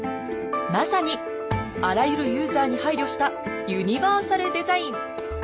まさにあらゆるユーザーに配慮したユニバーサルデザイン！